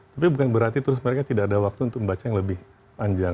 tapi bukan berarti terus mereka tidak ada waktu untuk membaca yang lebih panjang